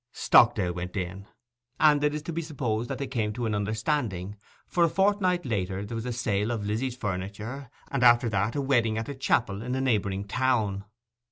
Stockdale went in; and it is to be supposed that they came to an understanding; for a fortnight later there was a sale of Lizzy's furniture, and after that a wedding at a chapel in a neighbouring town.